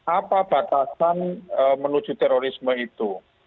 apa batasan menuju terorisme itu